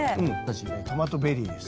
トマトベリーです。